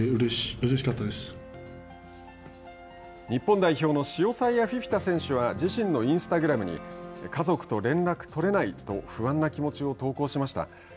日本代表のシオサイア・フィフィタ選手は自身のインスタグラムに家族と連絡取れないと不安な気持ちを投稿しました。